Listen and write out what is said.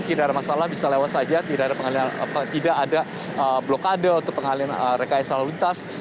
tidak ada masalah bisa lewat saja tidak ada blokade untuk pengalian rekayasa lalu lintas